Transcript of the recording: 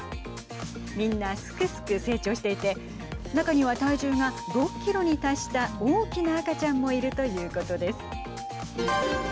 みんな、すくすく成長していて中には体重が６キロに達した大きな赤ちゃんもいるということです。